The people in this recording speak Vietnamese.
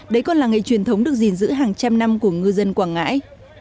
đấy còn là nghề truyền thống được gìn giữ hàng trăm năm của ngư dân quảng ngãi